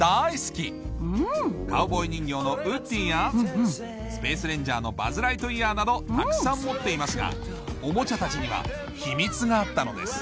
カウボーイ人形のウッディやスペース・レンジャーのバズ・ライトイヤーなどたくさん持っていますがオモチャたちには秘密があったのです